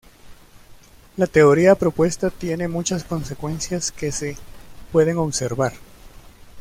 La teoría propuesta tiene muchas consecuencias que se pueden observar.